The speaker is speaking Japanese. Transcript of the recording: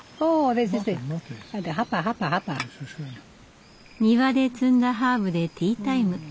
庭で摘んだハーブでティータイム。